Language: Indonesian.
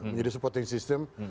menjadi supporting system